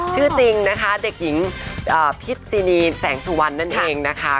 ชื่อจริงนะคะเด็กหญิงพิษซีนีแสงสุวรรณนั่นเองนะคะ